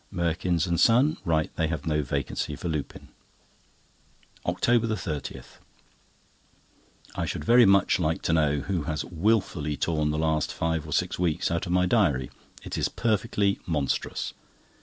Merkins and Son write they have no vacancy for Lupin. OCTOBER 30.—I should very much like to know who has wilfully torn the last five or six weeks out of my diary. It is perfectly monstrous!